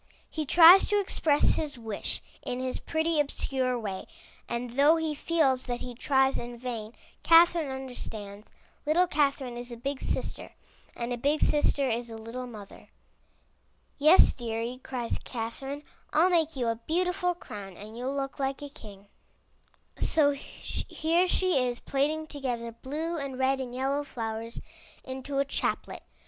He tries to express his wish in his pretty obscure way, and though he feels that he tries in vain, Catherine understands. Little Catherine is a big sister, and a big sister is a little mother. Yes, deary/' cries Catherine, ^Tll make you a beautiful crown and you'll look like a king." 332 IN THE NURSERY So here she is plaiting together blue and red and yellow flowers into a chaplet.